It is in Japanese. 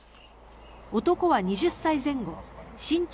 男は２０歳前後身長